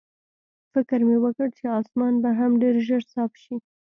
فکر مې وکړ چې اسمان به هم ډېر ژر صاف شي.